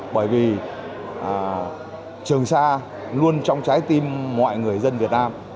bởi vì trường sa luôn trong trái tim mọi người dân việt nam